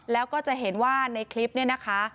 แล้วก็จะเห็นว่าในคลิปเนี่ยนะคะ